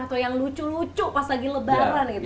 atau yang lucu lucu pas lagi lebaran gitu